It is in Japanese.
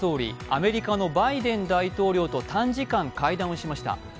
アメリカのバイデン大統領と短時間、会談をしました。